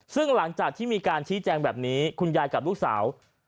ซึ่งหลังจากที่มีการชี้แจงแบบนี้คุณยายกับลูกสาว